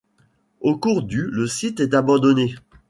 Au cours du le site est abandonné.